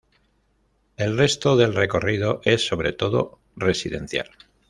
El resto del recorrido es sobre todo residencial.